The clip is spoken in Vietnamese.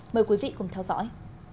mời quý vị cùng theo dõi